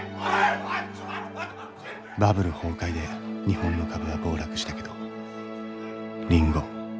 バブル崩壊で日本の株は暴落したけどリンゴ